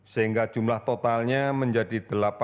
sehingga jumlah totalnya menjadi delapan ratus sembilan puluh tiga